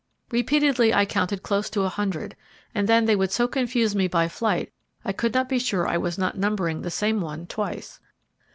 Repeatedly I counted close to a hundred, and then they would so confuse me by flight I could not be sure I was not numbering the same one twice.